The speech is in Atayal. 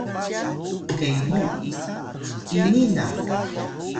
Kenu: ini na